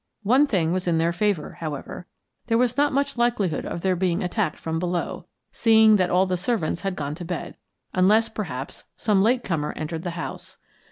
One thing was in their favor, however; there was not much likelihood of their being attacked from below, seeing that all the servants had gone to bed; unless, perhaps, some late comer entered the house.